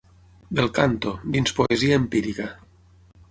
«Bel canto» dins Poesia empírica.